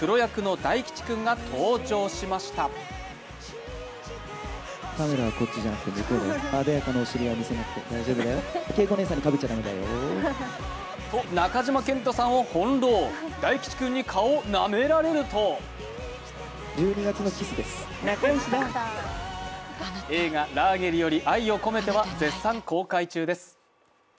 大吉君に顔をなめられると映画「ラーゲリより愛を込めて」は絶賛公開中です。